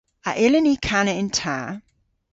A yllyn ni kana yn ta?